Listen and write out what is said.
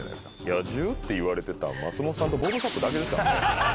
野獣って言われてた松本さんとボブ・サップだけですからね。